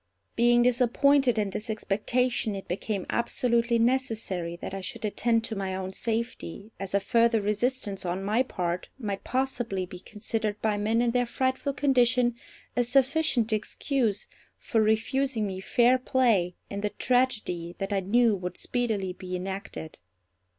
Being disappointed in this expectation, it became absolutely necessary that I should attend to my own safety, as a further resistance on my part might possibly be considered by men in their frightful condition a sufficient excuse for refusing me fair play in the tragedy that I knew would speedily be enacted.